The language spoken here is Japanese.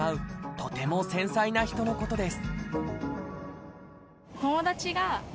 とても繊細な人のことです